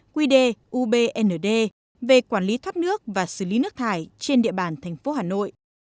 hai nghìn một mươi bảy quy đê ubnd về quản lý thoát nước và xử lý nước thải trên địa bàn tp hà nội